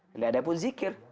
dan ada pun zikir